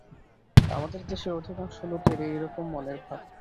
আমাদের দেশের অধিকাংশ লোকেরই এইরকম মনের ভাব।